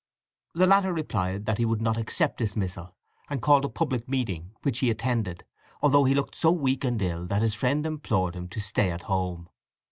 The latter replied that he should not accept dismissal; and called a public meeting, which he attended, although he looked so weak and ill that his friend implored him to stay at home.